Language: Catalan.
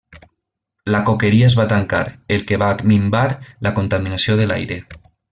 La coqueria es va tancar el que va minvar la contaminació de l'aire.